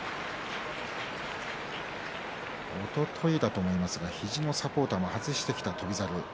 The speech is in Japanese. おとといだと思いますが肘のサポーターを外してきた翔猿。